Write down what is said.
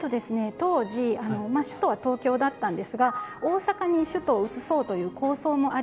当時首都は東京だったんですが大阪に首都を移そうという構想もありまして。